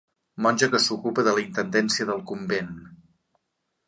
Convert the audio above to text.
Monja que s'ocupa de la intendència del convent.